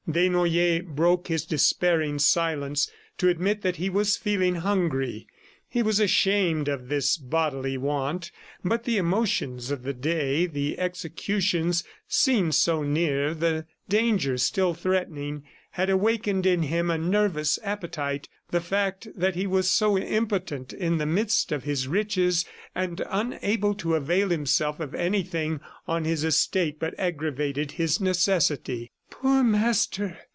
Desnoyers broke his despairing silence to admit that he was feeling hungry. He was ashamed of this bodily want, but the emotions of the day, the executions seen so near, the danger still threatening, had awakened in him a nervous appetite. The fact that he was so impotent in the midst of his riches and unable to avail himself of anything on his estate but aggravated his necessity. "Poor Master!"